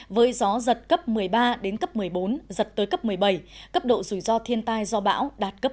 với gió giật cấp một mươi ba đến cấp một mươi bốn giật tới cấp một mươi bảy cấp độ rủi ro thiên tai do bão đạt cấp sáu